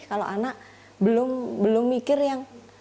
kalau anak belum mikir yang